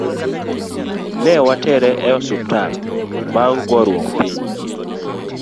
Newatere e osiptal bang goruok piny.